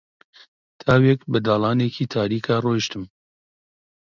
تاوێک بە داڵانێکی تاریکدا ڕۆیشتم